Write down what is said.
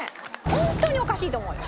本当におかしいと思うよ！